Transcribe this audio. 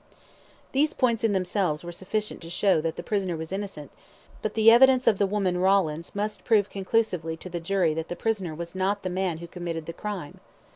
These points in themselves were sufficient to show that the prisoner was innocent, but the evidence of the woman Rawlins must prove conclusively to the jury that the prisoner was not the man who committed the crime.